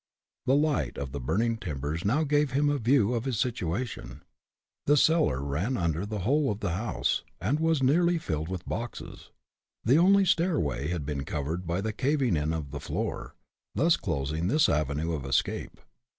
The light of the burning timbers now gave him a view of his situation. The cellar ran in under the whole of the house, and was nearly filled with boxes. The only stairway had been covered by the caving in of the floor, thus closing this avenue of escape.